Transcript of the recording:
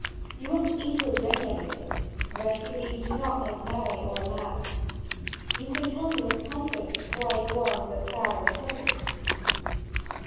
You won't eat or drink anything, and I see that you do not make merry or laugh. You can tell me with confidence why you are so sad and troubled."